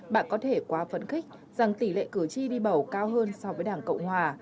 bạn có thể quá phấn khích rằng tỷ lệ cử tri đi bầu cao hơn so với đảng cộng hòa